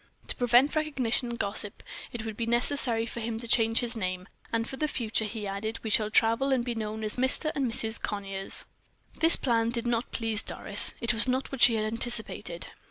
To prevent recognition and gossip, it would be necessary for him to change his name; "and for the future," he added, "we shall travel and be known as Mr. and Mrs. Conyers." This plan did not please Doris. It was not what she had anticipated.